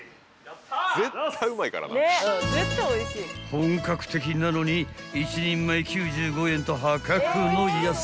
［本格的なのに１人前９５円と破格の安さ］